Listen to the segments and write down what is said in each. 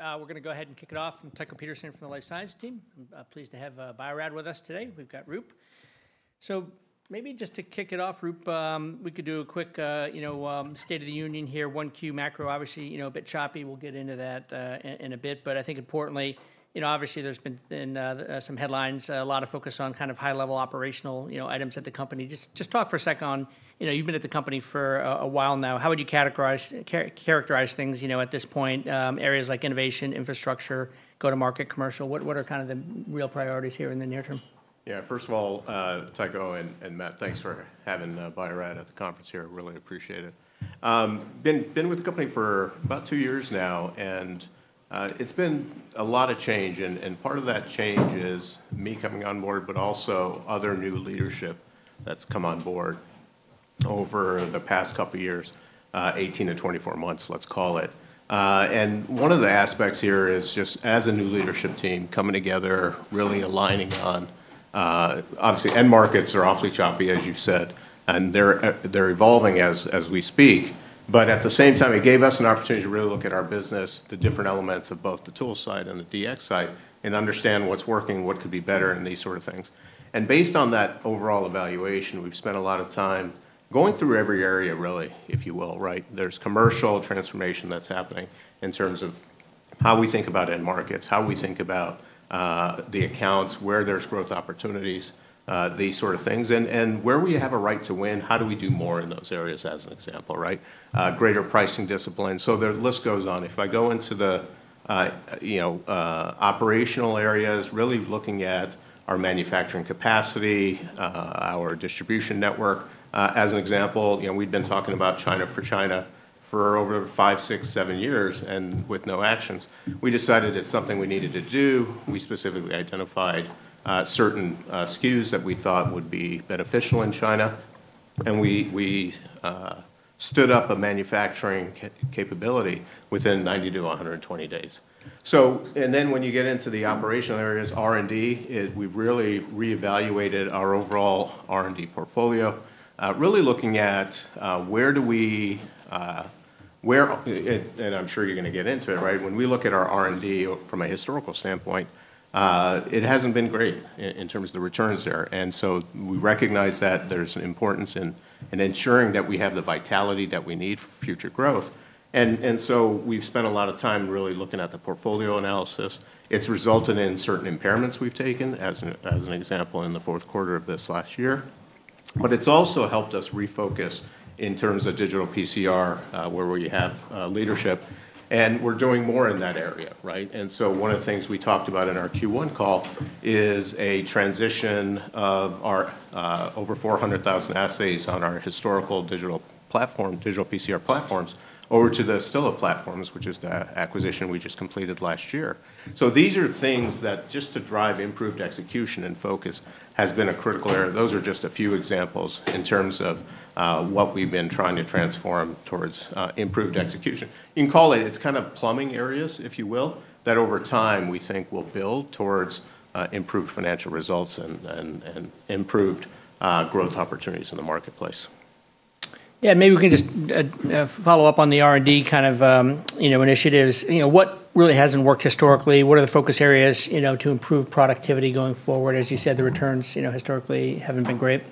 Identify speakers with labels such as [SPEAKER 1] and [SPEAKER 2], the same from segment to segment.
[SPEAKER 1] Great. We're going to go ahead and kick it off. I'm Tycho Peterson from the life science team. I'm pleased to have Bio-Rad with us today. We've got Roop. Maybe just to kick it off, Roop, we could do a quick state of the union here, 1Q macro, obviously, a bit choppy. We'll get into that in a bit. I think importantly, obviously there's been some headlines, a lot of focus on high-level operational items at the company. Just talk for a second on, you've been at the company for a while now, how would you characterize things at this point, areas like innovation, infrastructure, go to market, commercial? What are the real priorities here in the near term?
[SPEAKER 2] First of all, Tycho and Matt, thanks for having Bio-Rad at the conference here. Really appreciate it. Been with the company for about two years now, it's been a lot of change. Part of that change is me coming on board, but also other new leadership that's come on board over the past couple years, 18 to 24 months, let's call it. One of the aspects here is just as a new leadership team coming together, really aligning on, obviously end markets are awfully choppy, as you've said, and they're evolving as we speak. At the same time, it gave us an opportunity to really look at our business, the different elements of both the tools side and the DX side, and understand what's working, what could be better, and these sort of things. Based on that overall evaluation, we've spent a lot of time going through every area, really, if you will, right. There's commercial transformation that's happening in terms of how we think about end markets, how we think about the accounts, where there's growth opportunities, these sort of things. Where we have a right to win, how do we do more in those areas, as an example, right. Greater pricing discipline. The list goes on. If I go into the operational areas, really looking at our manufacturing capacity, our distribution network. As an example, we've been talking about China for China for over five, six, seven years, and with no actions. We decided it's something we needed to do. We specifically identified certain SKUs that we thought would be beneficial in China, and we stood up a manufacturing capability within 90 to 120 days. When you get into the operational areas, R&D, we've really reevaluated our overall R&D portfolio. I'm sure you're going to get into it, right? When we look at our R&D from a historical standpoint, it hasn't been great in terms of the returns there. We recognize that there's an importance in ensuring that we have the vitality that we need for future growth. We've spent a lot of time really looking at the portfolio analysis. It's resulted in certain impairments we've taken, as an example, in the fourth quarter of this last year. It's also helped us refocus in terms of digital PCR, where we have leadership, and we're doing more in that area, right? One of the things we talked about in our Q1 call is a transition of our over 400,000 assays on our historical digital PCR platforms over to the Stilla platforms, which is the acquisition we just completed last year. These are things that just to drive improved execution and focus has been a critical area. Those are just a few examples in terms of what we've been trying to transform towards improved execution. You can call it's kind of plumbing areas, if you will, that over time, we think will build towards improved financial results and improved growth opportunities in the marketplace.
[SPEAKER 1] Yeah, maybe we can just follow up on the R&D kind of initiatives. What really hasn't worked historically? What are the focus areas to improve productivity going forward? As you said, the returns historically haven't been great.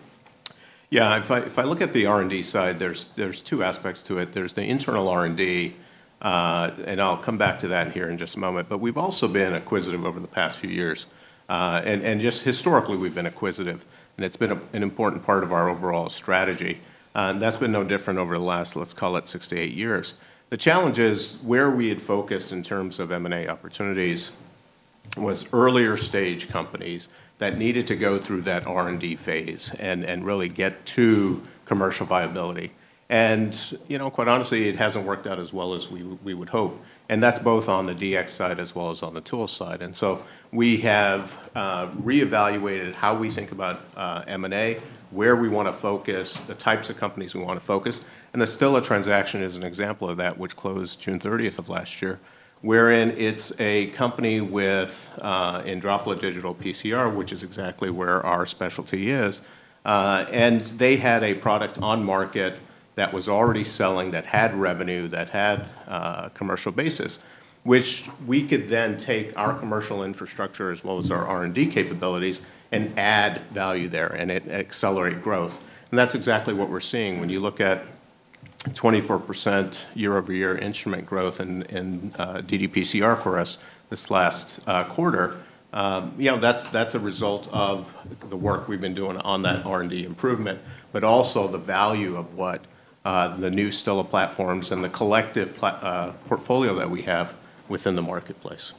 [SPEAKER 2] Yeah. If I look at the R&D side, there's two aspects to it. There's the internal R&D. I'll come back to that here in just a moment, but we've also been acquisitive over the past few years. Just historically, we've been acquisitive, and it's been an important part of our overall strategy. That's been no different over the last, let's call it six-eight years. The challenge is where we had focused in terms of M&A opportunities was earlier stage companies that needed to go through that R&D phase and really get to commercial viability. Quite honestly, it hasn't worked out as well as we would hope, and that's both on the DX side as well as on the tools side. We have reevaluated how we think about M&A, where we want to focus, the types of companies we want to focus. The Stilla transaction is an example of that, which closed June 30th of last year, wherein it's a company in droplet digital PCR, which is exactly where our specialty is. They had a product on market that was already selling, that had revenue, that had a commercial basis, which we could then take our commercial infrastructure as well as our R&D capabilities and add value there and accelerate growth. That's exactly what we're seeing when you look at 24% year-over-year instrument growth in ddPCR for us this last quarter. That's a result of the work we've been doing on that R&D improvement, but also the value of what the new Stilla platforms and the collective portfolio that we have within the marketplace.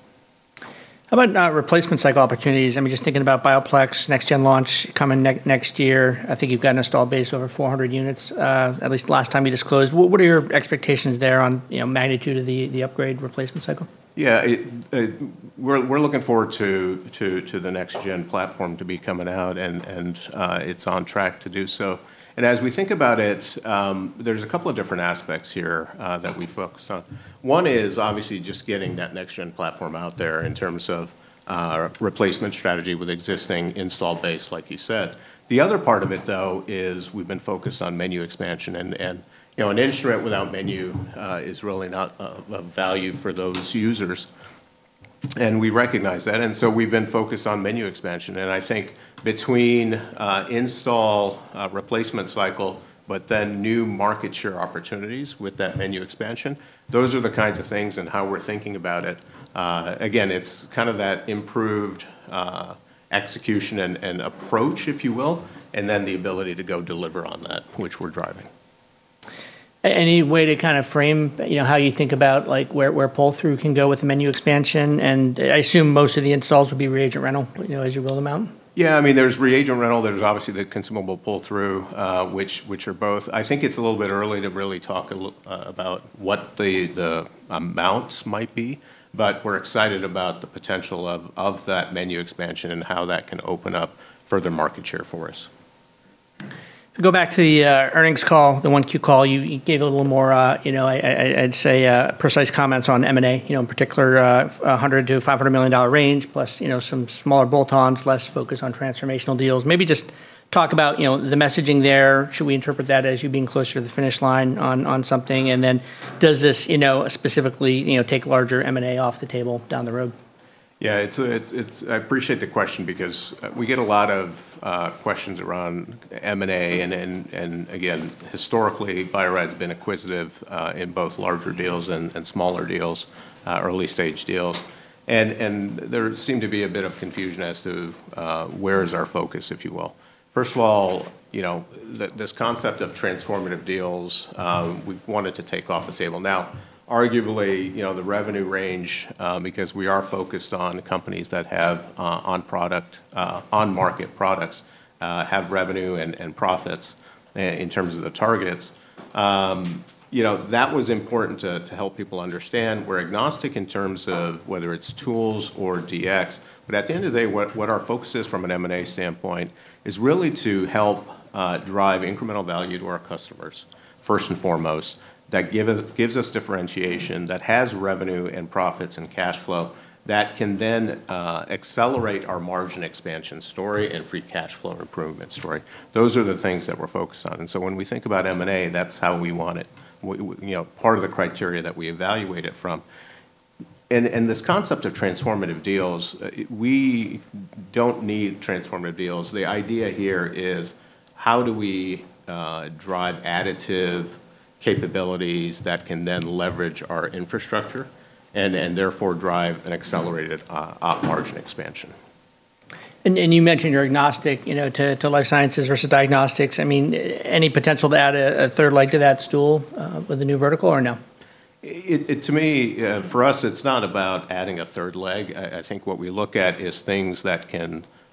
[SPEAKER 1] How about replacement cycle opportunities? I am just thinking about Bio-Plex next gen launch coming next year. I think you have got an install base over 400 units, at least last time you disclosed. What are your expectations there on magnitude of the upgrade replacement cycle?
[SPEAKER 2] Yeah. We're looking forward to the next gen platform to be coming out, it's on track to do so. As we think about it, there's a couple of different aspects here that we focused on. One is obviously just getting that next gen platform out there in terms of replacement strategy with existing install base, like you said. The other part of it, though, is we've been focused on menu expansion and an instrument without menu is really not of value for those users, and we recognize that. We've been focused on menu expansion. I think between install replacement cycle, new market share opportunities with that menu expansion, those are the kinds of things and how we're thinking about it. Again, it's that improved execution and approach, if you will, the ability to go deliver on that which we're driving.
[SPEAKER 1] Any way to frame how you think about where pull-through can go with menu expansion? I assume most of the installs would be reagent rental, as you roll them out.
[SPEAKER 2] Yeah, there's reagent rental, there's obviously the consumable pull-through, which are both, I think it's a little bit early to really talk about what the amounts might be, but we're excited about the potential of that menu expansion and how that can open up further market share for us.
[SPEAKER 1] To go back to the earnings call, the 1Q call, you gave a little more, I'd say, precise comments on M&A, in particular, $100 million-$500 million range plus some smaller bolt-ons, less focus on transformational deals. Should we interpret that as you being closer to the finish line on something? Then does this specifically take larger M&A off the table down the road?
[SPEAKER 2] Yeah, I appreciate the question because we get a lot of questions around M&A. Again, historically, Bio-Rad's been acquisitive in both larger deals and smaller deals, early-stage deals. There seemed to be a bit of confusion as to where is our focus, if you will. First of all, this concept of transformative deals we wanted to take off the table. Now, arguably, the revenue range, because we are focused on companies that have on-market products, have revenue and profits in terms of the targets. That was important to help people understand we're agnostic in terms of whether it's tools or DX. At the end of the day, what our focus is from an M&A standpoint is really to help drive incremental value to our customers first and foremost, that gives us differentiation, that has revenue and profits and cash flow, that can then accelerate our margin expansion story and free cash flow improvement story. Those are the things that we're focused on. When we think about M&A, that's how we want it, part of the criteria that we evaluate it from. This concept of transformative deals, we don't need transformative deals. The idea here is how do we drive additive capabilities that can then leverage our infrastructure and therefore drive an accelerated op margin expansion.
[SPEAKER 1] You mentioned you're agnostic to life sciences versus diagnostics. Any potential to add a third leg to that stool with a new vertical or no?
[SPEAKER 2] To me, for us, it's not about adding a third leg. I think what we look at is things that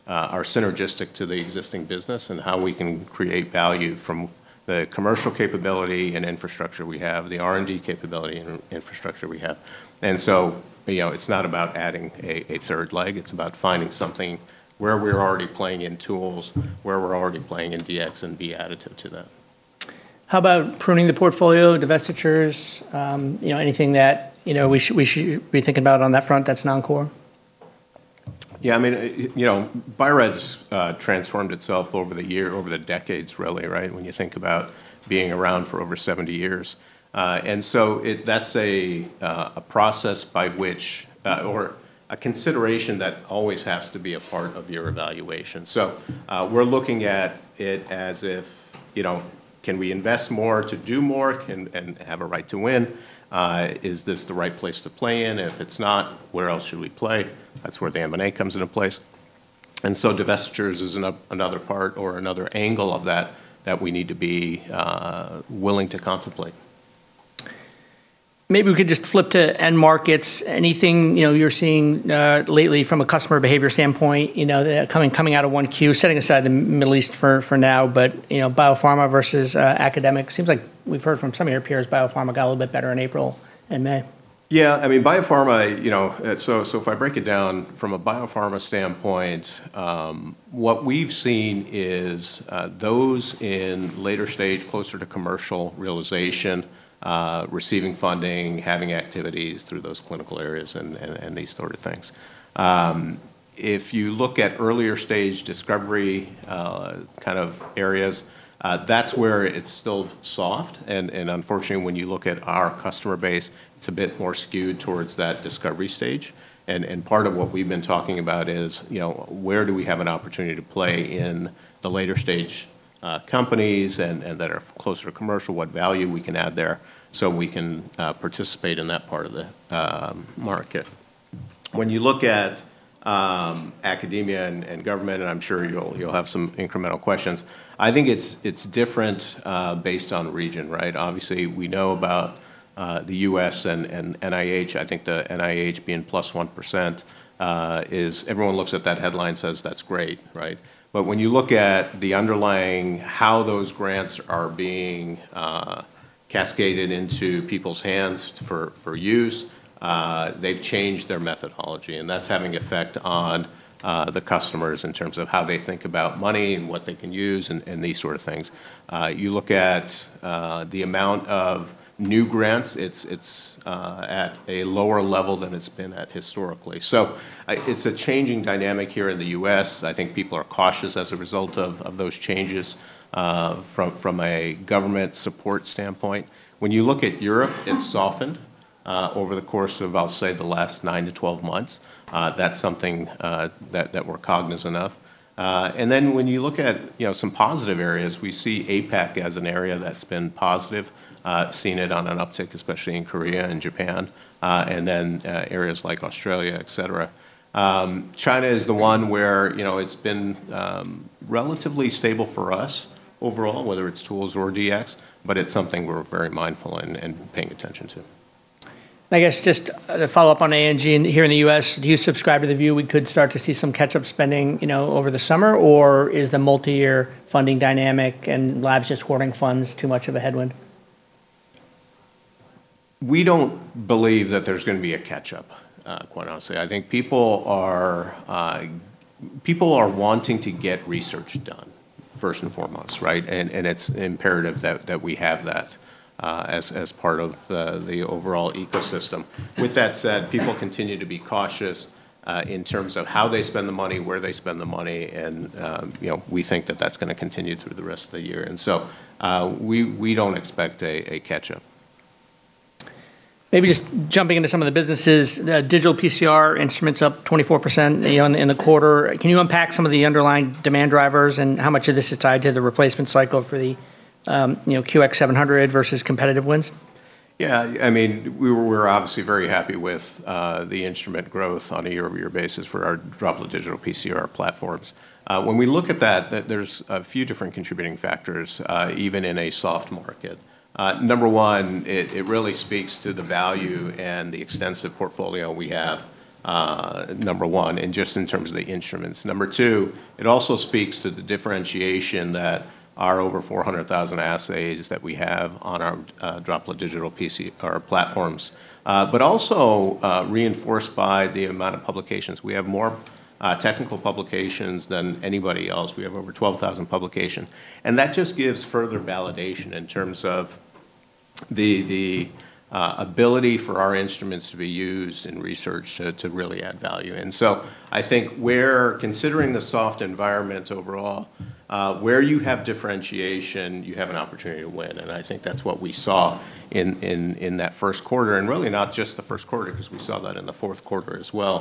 [SPEAKER 2] are synergistic to the existing business and how we can create value from the commercial capability and infrastructure we have, the R&D capability and infrastructure we have. It's not about adding a third leg, it's about finding something where we're already playing in tools, where we're already playing in DX and be additive to that.
[SPEAKER 1] How about pruning the portfolio, divestitures, anything that we should be thinking about on that front that's non-core?
[SPEAKER 2] Yeah. Bio-Rad's transformed itself over the decades really, when you think about being around for over 70 years. That's a process by which, or a consideration that always has to be a part of your evaluation. We're looking at it as if, can we invest more to do more and have a right to win? Is this the right place to play in? If it's not, where else should we play? That's where the M&A comes into place. Divestitures is another part or another angle of that we need to be willing to contemplate.
[SPEAKER 1] Maybe we could just flip to end markets. Anything you're seeing lately from a customer behavior standpoint, coming out of 1Q, setting aside the Middle East for now, but biopharma versus academic? Seems like we've heard from some of your peers, biopharma got a little bit better in April and May.
[SPEAKER 2] Yeah. If I break it down from a biopharma standpoint, what we've seen is those in later stage, closer to commercial realization, receiving funding, having activities through those clinical areas and these sort of things. If you look at earlier stage discovery kind of areas, that's where it's still soft and unfortunately, when you look at our customer base, it's a bit more skewed towards that discovery stage. Part of what we've been talking about is where do we have an opportunity to play in the later stage companies that are closer to commercial, what value we can add there so we can participate in that part of the market. When you look at academia and government, and I'm sure you'll have some incremental questions, I think it's different based on region. Obviously, we know about the U.S. and NIH. I think the NIH being +1% is everyone looks at that headline says that's great. When you look at the underlying how those grants are being cascaded into people's hands for use, they've changed their methodology, and that's having effect on the customers in terms of how they think about money and what they can use and these sort of things. You look at the amount of new grants, it's at a lower level than it's been at historically. It's a changing dynamic here in the U.S. I think people are cautious as a result of those changes from a government support standpoint. When you look at Europe, it's softened over the course of, I'll say, the last 9-12 months. That's something that we're cognizant of. When you look at some positive areas, we see APAC as an area that's been positive. Seen it on an uptick, especially in Korea and Japan, and then areas like Australia, et cetera. China is the one where it's been relatively stable for us overall, whether it's tools or DX, but it's something we're very mindful and paying attention to.
[SPEAKER 1] I guess just to follow up on A&G here in the U.S., do you subscribe to the view we could start to see some catch-up spending over the summer? Is the multi-year funding dynamic and labs just hoarding funds too much of a headwind?
[SPEAKER 2] We don't believe that there's going to be a catch-up, quite honestly. I think people are wanting to get research done first and foremost, right? It's imperative that we have that as part of the overall ecosystem. With that said, people continue to be cautious in terms of how they spend the money, where they spend the money, and we think that that's going to continue through the rest of the year. We don't expect a catch-up.
[SPEAKER 1] Maybe just jumping into some of the businesses, digital PCR instruments up 24% in the quarter. Can you unpack some of the underlying demand drivers and how much of this is tied to the replacement cycle for the QX700 versus competitive wins?
[SPEAKER 2] Yeah. We're obviously very happy with the instrument growth on a year-over-year basis for our droplet digital PCR platforms. When we look at that, there's a few different contributing factors, even in a soft market. Number one, it really speaks to the value and the extensive portfolio we have, number one, and just in terms of the instruments. Number two, it also speaks to the differentiation that our over 400,000 assays that we have on our droplet digital PCR platforms. Also reinforced by the amount of publications. We have more technical publications than anybody else. We have over 12,000 publications, and that just gives further validation in terms of the ability for our instruments to be used in research to really add value. I think where considering the soft environment overall, where you have differentiation, you have an opportunity to win, and I think that's what we saw in that first quarter, and really not just the first quarter, because we saw that in the fourth quarter as well.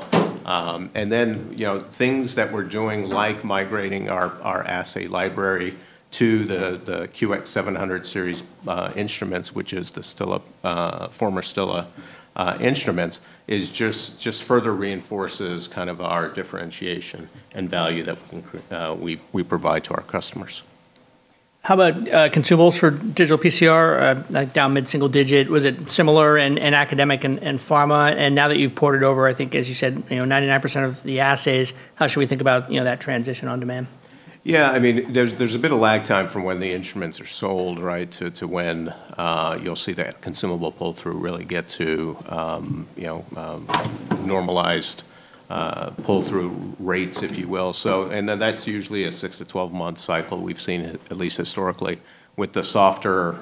[SPEAKER 2] Things that we're doing like migrating our assay library to the QX700 series instruments, which is the former Stilla instruments, just further reinforces our differentiation and value that we provide to our customers.
[SPEAKER 1] How about consumables for digital PCR, like down mid-single digit? Was it similar in academic and pharma? Now that you've ported over, I think, as you said, 99% of the assays, how should we think about that transition on demand?
[SPEAKER 2] Yeah. There's a bit of lag time from when the instruments are sold to when you'll see that consumable pull-through really get to normalized pull-through rates, if you will. Then that's usually a 6-12 month cycle we've seen, at least historically. With the softer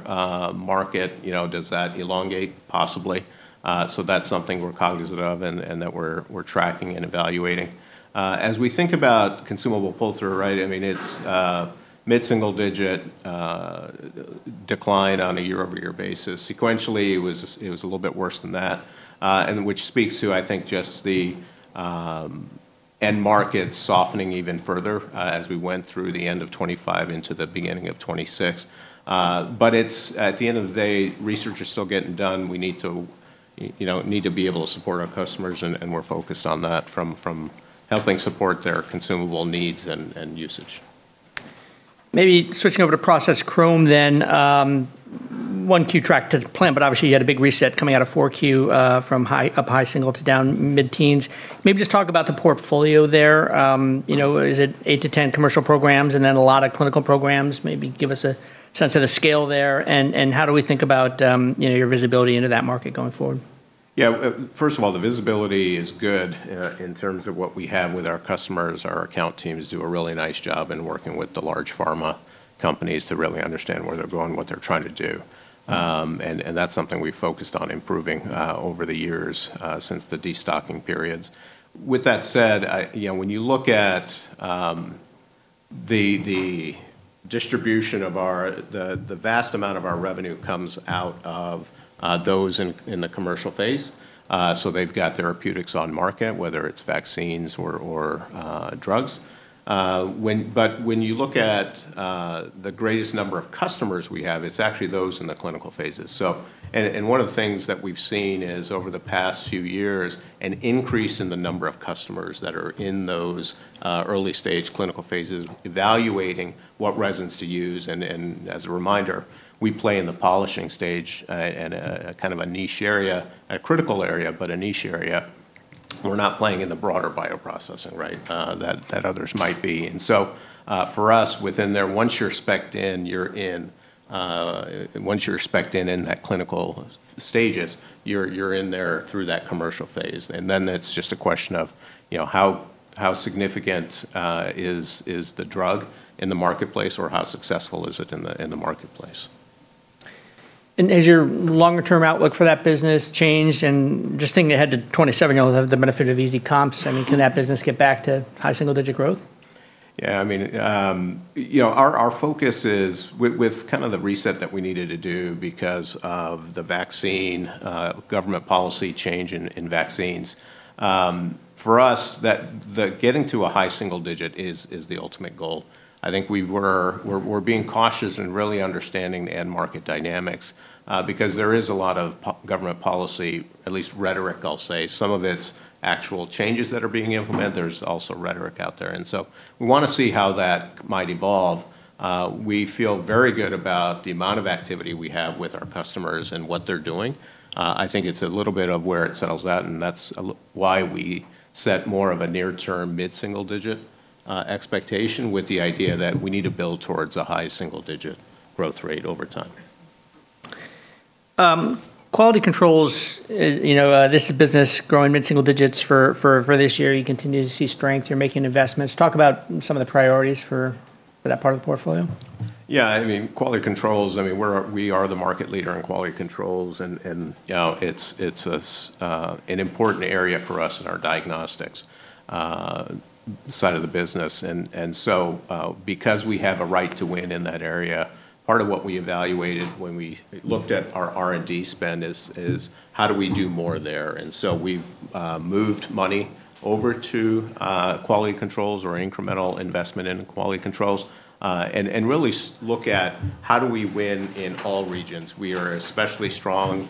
[SPEAKER 2] market, does that elongate? Possibly. That's something we're cognizant of and that we're tracking and evaluating. As we think about consumable pull-through, it's mid-single-digit decline on a year-over-year basis. Sequentially, it was a little bit worse than that, and which speaks to, I think, just the end market softening even further as we went through the end of 2025 into the beginning of 2026. At the end of the day, research is still getting done. We need to be able to support our customers, and we're focused on that from helping support their consumable needs and usage.
[SPEAKER 1] Maybe switching over to Process Chrome then. 1Q tracked to plan, but obviously you had a big reset coming out of 4Q from up high single to down mid-teens. Maybe just talk about the portfolio there. Is it 8 to 10 commercial programs and then a lot of clinical programs? Maybe give us a sense of the scale there and how do we think about your visibility into that market going forward?
[SPEAKER 2] First of all, the visibility is good in terms of what we have with our customers. Our account teams do a really nice job in working with the large pharma companies to really understand where they're going, what they're trying to do. That's something we've focused on improving over the years since the destocking periods. With that said, when you look at the distribution of the vast amount of our revenue comes out of those in the commercial phase. They've got therapeutics on market, whether it's vaccines or drugs. When you look at the greatest number of customers we have, it's actually those in the clinical phases. One of the things that we've seen is over the past few years, an increase in the number of customers that are in those early-stage clinical phases evaluating what resins to use, as a reminder, we play in the polishing stage in a kind of a niche area, a critical area, but a niche area. We're not playing in the broader bioprocessing that others might be. For us within there, once you're specced in, you're in. Once you're specced in in that clinical stages, you're in there through that commercial phase, and then it's just a question of how significant is the drug in the marketplace or how successful is it in the marketplace?
[SPEAKER 1] Has your longer-term outlook for that business changed? Just thinking ahead to 2027, it'll have the benefit of easy comps. Can that business get back to high single-digit growth?
[SPEAKER 2] Yeah. Our focus is with the reset that we needed to do because of the government policy change in vaccines. For us, getting to a high single digit is the ultimate goal. I think we're being cautious and really understanding the end market dynamics, because there is a lot of government policy, at least rhetoric, I'll say. Some of it's actual changes that are being implemented. There's also rhetoric out there, and so we want to see how that might evolve. We feel very good about the amount of activity we have with our customers and what they're doing. I think it's a little bit of where it settles out, and that's why we set more of a near-term mid-single-digit expectation with the idea that we need to build towards a high single-digit growth rate over time.
[SPEAKER 1] Quality Controls, this business growing mid-single digits for this year. You continue to see strength. You're making investments. Talk about some of the priorities for that part of the portfolio.
[SPEAKER 2] Yeah. Quality Controls, we are the market leader in Quality Controls. It's an important area for us in our diagnostics side of the business. Because we have a right to win in that area, part of what we evaluated when we looked at our R&D spend is how do we do more there? We've moved money over to Quality Controls or incremental investment in Quality Controls, and really look at how do we win in all regions. We are especially strong,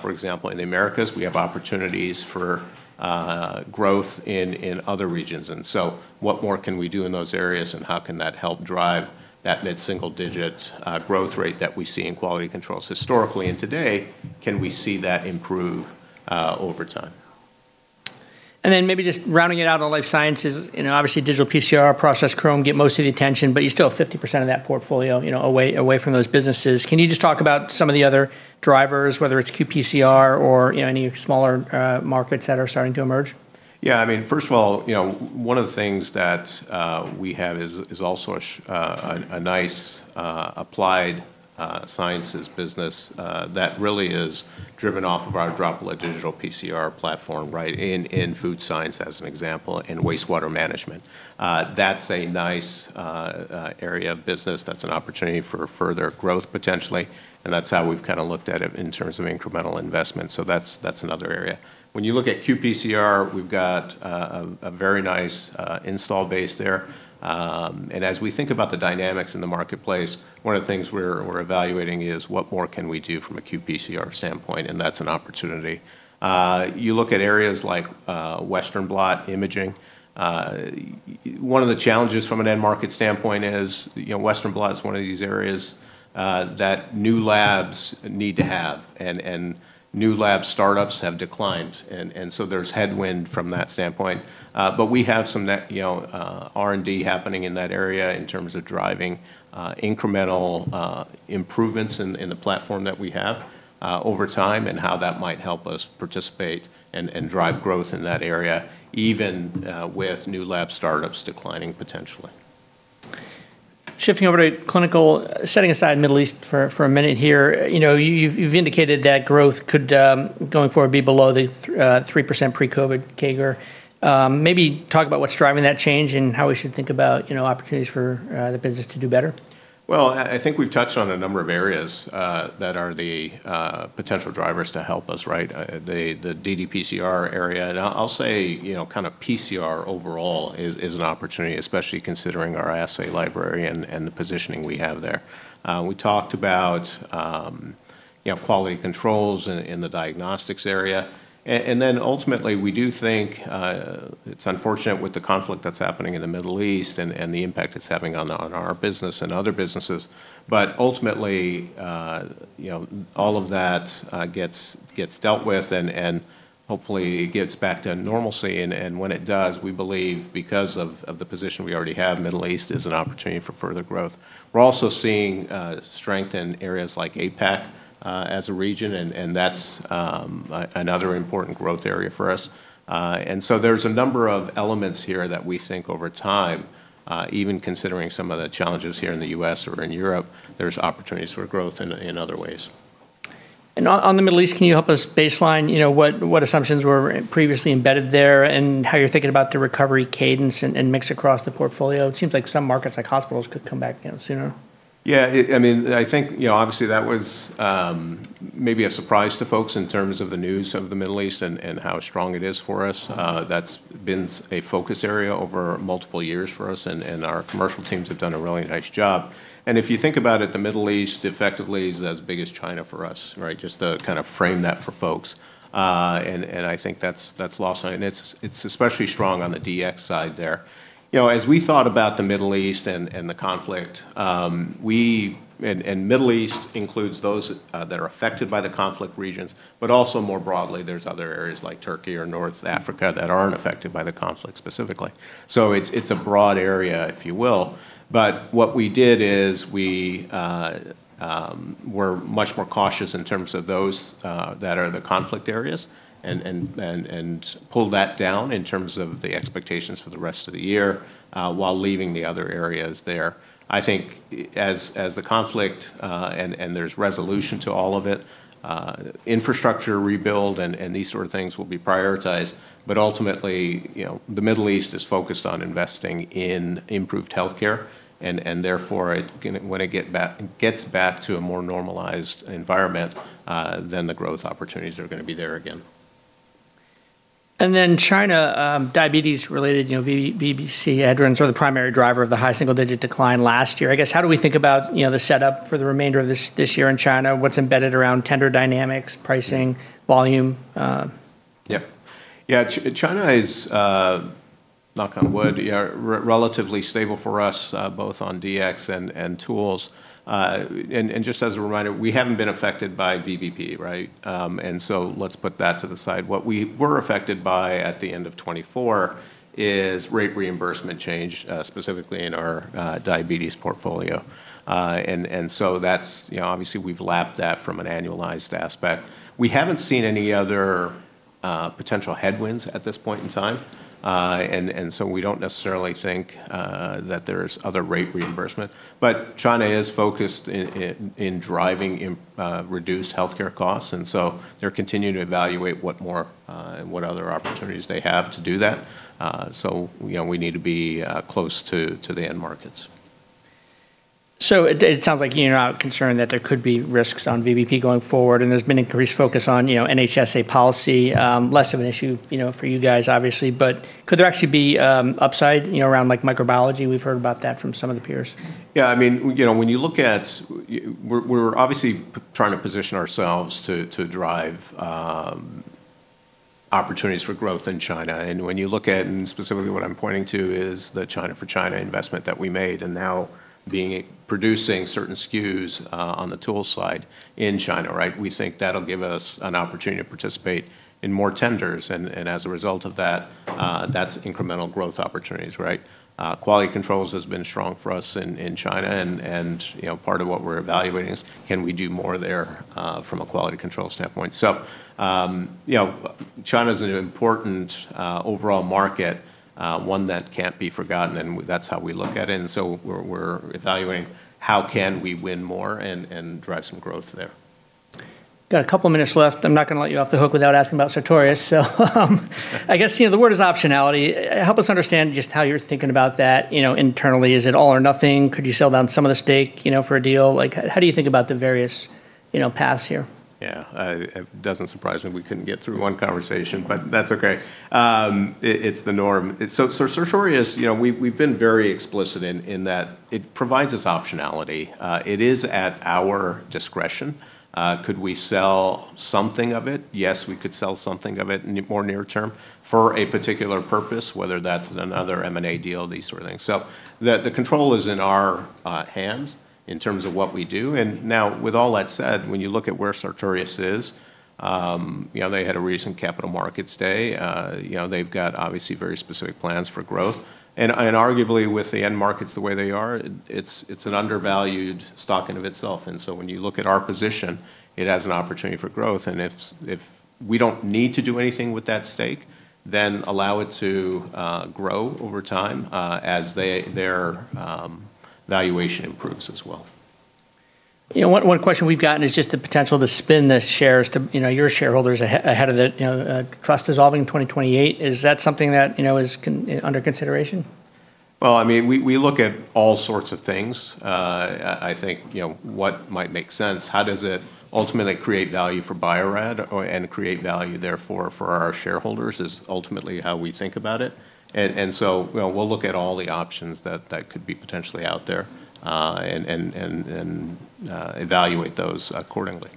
[SPEAKER 2] for example, in the Americas. We have opportunities for growth in other regions. What more can we do in those areas, and how can that help drive that mid-single-digit growth rate that we see in Quality Controls historically? Today, can we see that improve over time?
[SPEAKER 1] Maybe just rounding it out on life sciences, obviously digital PCR, Process Chrome get most of the attention, but you still have 50% of that portfolio away from those businesses. Can you just talk about some of the other drivers, whether it's qPCR or any smaller markets that are starting to emerge?
[SPEAKER 2] First of all, one of the things that we have is also a nice applied sciences business that really is driven off of our droplet digital PCR platform in food science, as an example, in wastewater management. That's a nice area of business. That's an opportunity for further growth, potentially, and that's how we've looked at it in terms of incremental investment. That's another area. When you look at qPCR, we've got a very nice install base there. As we think about the dynamics in the marketplace, one of the things we're evaluating is what more can we do from a qPCR standpoint, and that's an opportunity. You look at areas like Western blot imaging. One of the challenges from an end market standpoint is Western blot is one of these areas that new labs need to have, and new lab startups have declined, and so there's headwind from that standpoint. We have some R&D happening in that area in terms of driving incremental improvements in the platform that we have over time and how that might help us participate and drive growth in that area, even with new lab startups declining potentially.
[SPEAKER 1] Shifting over to clinical, setting aside Middle East for a minute here. You've indicated that growth could, going forward, be below the 3% pre-COVID CAGR. Maybe talk about what's driving that change and how we should think about opportunities for the business to do better.
[SPEAKER 2] I think we've touched on a number of areas that are the potential drivers to help us. The ddPCR area, and I'll say PCR overall is an opportunity, especially considering our assay library and the positioning we have there. We talked about Quality Controls in the diagnostics area. Ultimately, we do think it's unfortunate with the conflict that's happening in the Middle East and the impact it's having on our business and other businesses. Ultimately, all of that gets dealt with and hopefully gets back to normalcy. When it does, we believe because of the position we already have, Middle East is an opportunity for further growth. We're also seeing strength in areas like APAC as a region, and that's another important growth area for us. There's a number of elements here that we think over time, even considering some of the challenges here in the U.S. or in Europe, there's opportunities for growth in other ways.
[SPEAKER 1] On the Middle East, can you help us baseline what assumptions were previously embedded there and how you're thinking about the recovery cadence and mix across the portfolio? It seems like some markets, like hospitals, could come back again sooner.
[SPEAKER 2] Yeah. I think obviously that was maybe a surprise to folks in terms of the news of the Middle East and how strong it is for us. That's been a focus area over multiple years for us, and our commercial teams have done a really nice job. If you think about it, the Middle East effectively is as big as China for us. Just to frame that for folks. I think that's lost, and it's especially strong on the DX side there. As we thought about the Middle East and the conflict, and Middle East includes those that are affected by the conflict regions, but also more broadly, there's other areas like Turkey or North Africa that aren't affected by the conflict specifically. It's a broad area, if you will. What we did is we were much more cautious in terms of those that are the conflict areas and pulled that down in terms of the expectations for the rest of the year, while leaving the other areas there. I think as the conflict, and there's resolution to all of it, infrastructure rebuild and these sort of things will be prioritized. Ultimately, the Middle East is focused on investing in improved healthcare, and therefore, when it gets back to a more normalized environment, then the growth opportunities are going to be there again.
[SPEAKER 1] China, diabetes-related VBP headwinds are the primary driver of the high single-digit decline last year. I guess, how do we think about the setup for the remainder of this year in China? What's embedded around tender dynamics, pricing, volume?
[SPEAKER 2] Yeah. China is, knock on wood, relatively stable for us, both on DX and tools. Just as a reminder, we haven't been affected by VBP, right? Let's put that to the side. What we were affected by at the end of 2024 is rate reimbursement change, specifically in our diabetes portfolio. Obviously, we've lapped that from an annualized aspect. We haven't seen any other potential headwinds at this point in time. We don't necessarily think that there's other rate reimbursement. China is focused in driving reduced healthcare costs, and so they're continuing to evaluate what other opportunities they have to do that. We need to be close to the end markets.
[SPEAKER 1] It sounds like you're not concerned that there could be risks on VBP going forward, and there's been increased focus on NHSA policy. Less of an issue for you guys, obviously, but could there actually be upside around microbiology? We've heard about that from some of the peers.
[SPEAKER 2] Yeah. We're obviously trying to position ourselves to drive opportunities for growth in China. When you look at, and specifically what I'm pointing to is the China-for-China investment that we made, and now producing certain SKUs on the tools side in China. We think that'll give us an opportunity to participate in more tenders, and as a result of that's incremental growth opportunities. Quality Controls has been strong for us in China, and part of what we're evaluating is can we do more there from a quality control standpoint. China's an important overall market, one that can't be forgotten, and that's how we look at it. We're evaluating how can we win more and drive some growth there.
[SPEAKER 1] Got a couple of minutes left. I'm not going to let you off the hook without asking about Sartorius. I guess, the word is optionality. Help us understand just how you're thinking about that internally. Is it all or nothing? Could you sell down some of the stake for a deal? How do you think about the various paths here?
[SPEAKER 2] Yeah. It doesn't surprise me we couldn't get through one conversation, but that's okay. It's the norm. Sartorius, we've been very explicit in that it provides us optionality. It is at our discretion. Could we sell something of it? Yes, we could sell something of it more near-term for a particular purpose, whether that's another M&A deal, these sort of things. The control is in our hands in terms of what we do. Now, with all that said, when you look at where Sartorius is, they had a recent Capital Markets Day. They've got, obviously, very specific plans for growth. Arguably, with the end markets the way they are, it's an undervalued stock in of itself. When you look at our position, it has an opportunity for growth, and if we don't need to do anything with that stake, then allow it to grow over time as their valuation improves as well.
[SPEAKER 1] One question we've gotten is just the potential to spin the shares to your shareholders ahead of the trust dissolving in 2028. Is that something that is under consideration?
[SPEAKER 2] Well, we look at all sorts of things. I think what might make sense, how does it ultimately create value for Bio-Rad and create value therefore for our shareholders is ultimately how we think about it. We'll look at all the options that could be potentially out there, and evaluate those accordingly.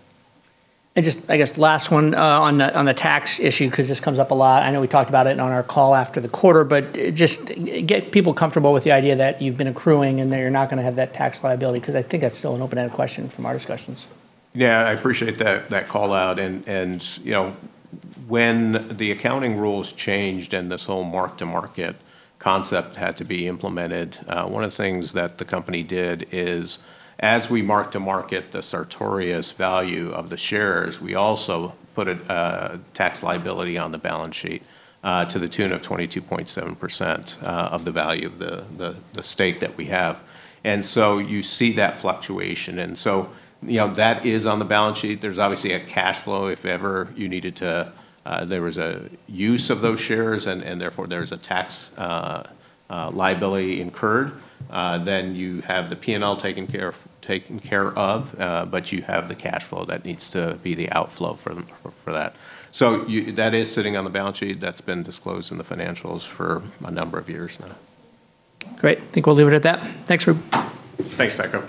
[SPEAKER 1] Just, I guess, last one on the tax issue, because this comes up a lot. I know we talked about it on our call after the quarter, but just get people comfortable with the idea that you've been accruing and that you're not going to have that tax liability, because I think that's still an open-ended question from our discussions.
[SPEAKER 2] Yeah, I appreciate that call-out. When the accounting rules changed and this whole mark-to-market concept had to be implemented, one of the things that the company did is as we mark-to-market the Sartorius value of the shares, we also put a tax liability on the balance sheet to the tune of 22.7% of the value of the stake that we have. You see that fluctuation. That is on the balance sheet. There's obviously a cash flow if ever there was a use of those shares, and therefore there's a tax liability incurred. You have the P&L taken care of, but you have the cash flow that needs to be the outflow for that. That is sitting on the balance sheet. That's been disclosed in the financials for a number of years now.
[SPEAKER 1] Great. Think we'll leave it at that. Thanks, Roop.
[SPEAKER 2] Thanks, Tycho